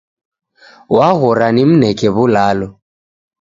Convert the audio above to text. Waghora nimneke w'ulalo